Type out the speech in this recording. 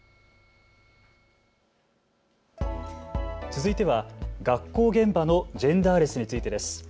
続いては学校現場のジェンダーレスについてです。